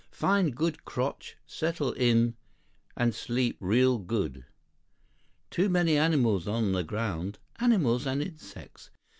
Find good crotch, settle in it, and sleep real good. Too many animals on the ground. Animals and insects.